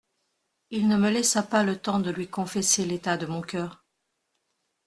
Il ne me laissa pas le temps de lui confesser l'état de mon coeur.